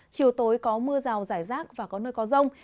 chiều tối có mưa rào rải rác và có nơi có rông